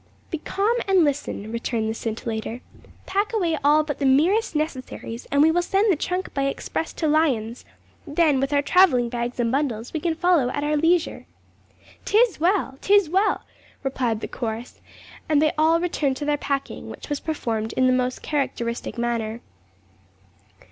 'Be calm and listen,' returned the scintillator. 'Pack away all but the merest necessaries, and we will send the trunk by express to Lyons. Then with our travelling bags and bundles, we can follow at our leisure.' ''Tis well! 'tis well!' replied the chorus, and they all returned to their packing, which was performed in the most characteristic manner.